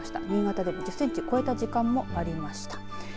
新潟でも１０センチを超えた時間帯もありました。